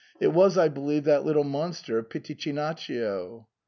It was, I believe, that little monster Pitichinaccio.